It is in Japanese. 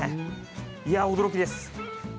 いやあ、驚きです。